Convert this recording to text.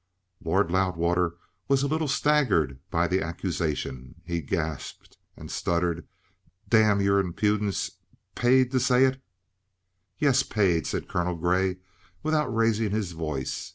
Lord Loudwater was a little staggered by the accusation. He gasped and stuttered: "D D Damn your impudence! P P Paid to say it!" "Yes, paid," said Colonel Grey, without raising his voice.